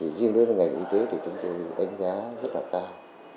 riêng đối với ngành y tế thì chúng tôi đánh giá rất là cao